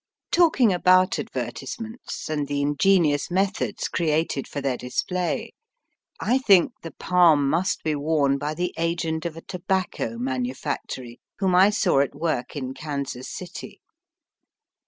Talking about advertisements, and the ingenious methods created for their display, I think the palm must be worn by the agent of a tobacco manufactory whom I saw at work in Digitized by VjOOQIC 38 EAST BY WEST. Kansas City.